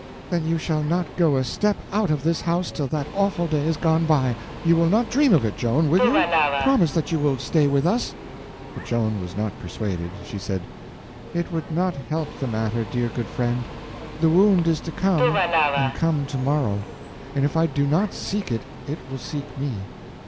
"Then you shall not go a step out of this house till that awful day is gone by! You will not dream of it, Joan, will you?—promise that you will stay with us." But Joan was not persuaded. She said: "It would not help the matter, dear good friend. The wound is to come, and come to morrow. If I do not seek it, it will seek me.